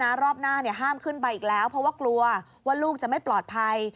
รอบหน้าห้ามขึ้นไปอีกแล้วเพราะว่ากลัวว่าลูกจะไม่ปลอดภัย